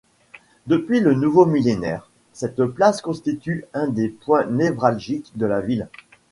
Depuis le nouveau millénaire, cette place constitue un des points névralgiques de la ville.